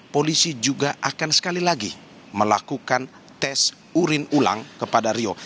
polisi juga akan sekali lagi melakukan tes urin ulang kepada rio